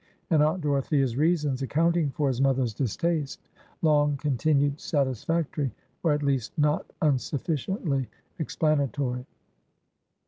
And Aunt Dorothea's reasons accounting for his mother's distaste, long continued satisfactory, or at least not unsufficiently explanatory.